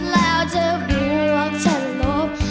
แล้วเจอผู้หวังฉันหลบ